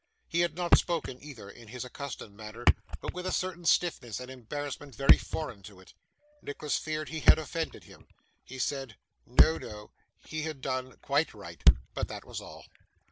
He had not spoken either, in his accustomed manner, but with a certain stiffness and embarrassment very foreign to it. Nicholas feared he had offended him. He said, 'No, no, he had done quite right,' but that was all.